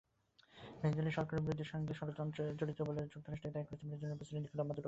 ভেনেজুয়েলায় সরকারবিরোধীদের সঙ্গে ষড়যন্ত্রে জড়িত বলে যুক্তরাষ্ট্রকে দায়ী করেছেন ভেনেজুয়েলার প্রেসিডেন্ট নিকোলা মাদুরো।